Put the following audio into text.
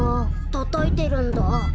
たたいてるんだ？